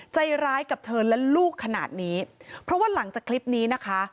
ใจร้ายกับเธอและลูกขนาดนี้เพราะว่าหลังจากคลิปนี้นะคะ